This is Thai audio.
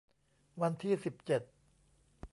วันที่ สิบเจ็ด